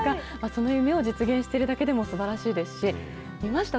その夢を実現しているだけでもすばらしいですし、見ました？